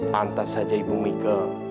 pantas saja ibu mika